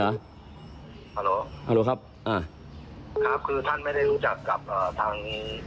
ฮัลโหลครับอ่าครับคือท่านไม่ได้รู้จักกับอ่าทาง